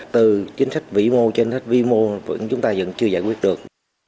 từ chính sách vĩ mô chính sách vĩ mô vẫn chúng ta vẫn chưa giải quyết được